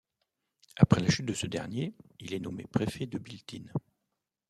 Après la chute de ce dernier, il est nommé préfet de Biltine.